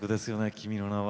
「君の名は」